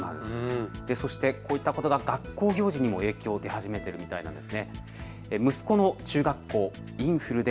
そしてこういったことが学校行事にも影響が出始めているそうなんです。